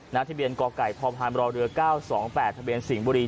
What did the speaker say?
นาธิเบียนกไก่พพรเรือ๙๒๘ทสิ่งบุรี